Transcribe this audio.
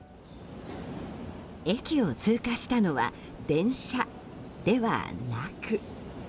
駅を通過したのは電車ではなく。